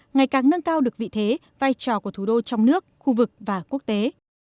ngày càng nâng cao được vị thế vai trò của thủ đô trong nước khu vực và quốc tế